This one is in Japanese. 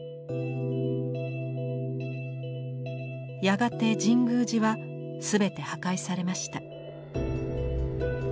やがて神宮寺は全て破壊されました。